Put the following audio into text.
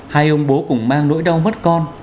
hai ông bố cũng mang nỗi đau mất con